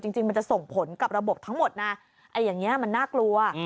จริงมันจะส่งผลกับระบบทั้งหมดนะมันน่ากลัว